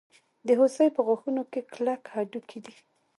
د هوسۍ په غاښونو کې کلک هډوکی دی.